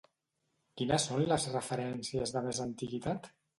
Quines són les referències de més antiguitat?